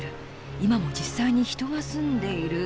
今も実際に人が住んでいる」。